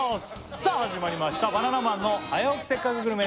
さあ始まりました「バナナマンの早起きせっかくグルメ！！」